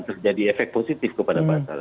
akan terjadi efek positif kepada pasar